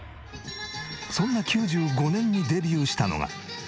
そんな９５年にデビューしたのが。